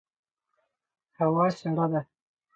هوا سړه ده